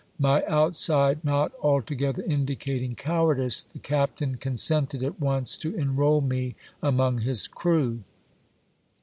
My outside not altogether indicating cowardice, the captain consented at once to enrol me among his crew.